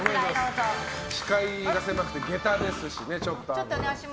視界が狭くて下駄ですしね。